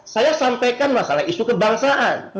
saya sampaikan masalah isu kebangsaan